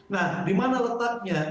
nah di mana letaknya